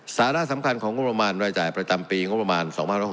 สาระสำคัญของงบประมาณรายจ่ายประจำปีงบประมาณ๒๖๖